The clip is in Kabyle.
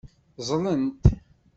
Ẓẓlent.